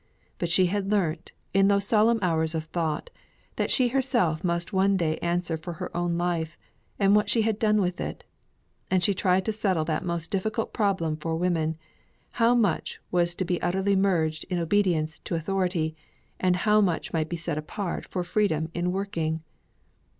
But she had learnt, in those solemn hours of thought, that she herself must one day answer for her own life, and what she had done with it; and she tried to settle that most difficult problem for woman, how much was to be utterly merged in obedience to authority, and how much might be set apart for freedom in working.